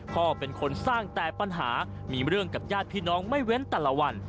พ่อเป็นคนสร้างแต่ปัญหามีเรื่องกับญาติพี่น้องไม่เว้นแต่ละวัน